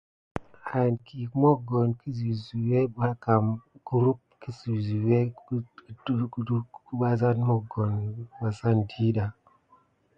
An kiyiga mokoni kisile suyé kam kurum sukié gudasoko vas na suke wusane didaha.